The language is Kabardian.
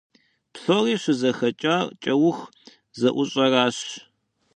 Псори щызэхэкӀар кӀэух зэӀущӀэращ.